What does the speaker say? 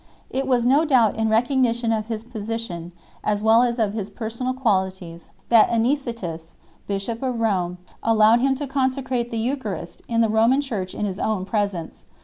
It was no doubt in recognition of his position as well as of his personal qualities that Anicetus, bishop of Rome, allowed him to consecrate the Eucharist in the Roman Church in his own presence 3